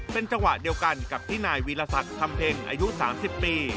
เป็นจังหวะเดียวกันกับที่นายวีรศักดิ์คำเพ็งอายุ๓๐ปี